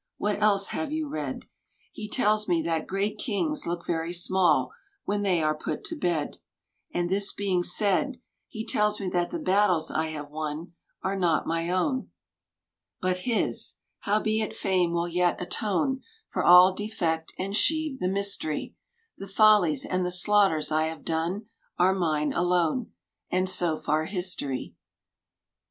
— ^What else have you read ? He tells me that great kings look veiy small When they are put to bed; And this being said, He tells me that the battles I have won Are not my own, |36| But his — ^howbeit fame will yet atone For all defect, and sheave the mysteiy: The follies and the slaughters I have done Are mine alone, And so far History.